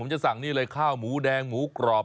จะสั่งนี่เลยข้าวหมูแดงหมูกรอบ